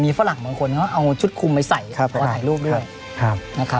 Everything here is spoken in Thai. มีฝรั่งบางคนเขาเอาชุดคุมไปใส่พอถ่ายรูปด้วย